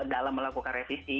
dalam melakukan revisi